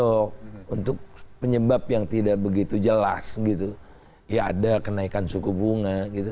untuk penyebab yang tidak begitu jelas gitu ya ada kenaikan suku bunga gitu